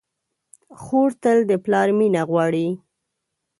خور تل د پلار مینه غواړي.